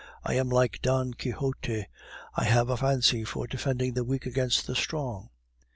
I am like Don Quixote, I have a fancy for defending the weak against the strong.